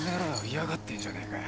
嫌がってんじゃねえかよ。